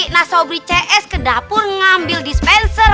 nah sobri cs ke dapur ngambil dispenser